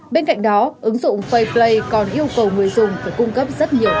bên cạnh đó ứng dụng faceplay còn yêu cầu người dùng để cung cấp rất nhiều thông tin